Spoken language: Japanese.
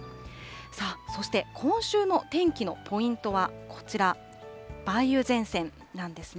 さあ、そして今週の天気のポイントはこちら、梅雨前線なんですね。